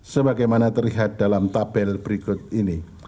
sebagaimana terlihat dalam tabel berikut ini